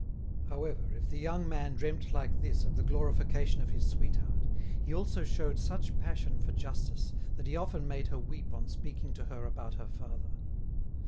However, if the young man dreamt like this of the glorification of his sweetheart, he also showed such passion for justice that he often made her weep on speaking to her about her father.